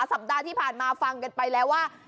สัปดาห์ที่ผ่านมาฟังกันไปแล้วว่า